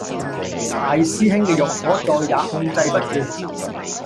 大師兄嘅慾火再也控制不住